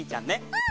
うん。